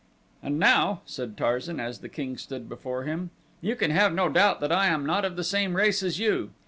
"And now," said Tarzan as the king stood before him, "you can have no doubt that I am not of the same race as you.